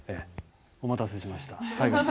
お待たせしました大河君。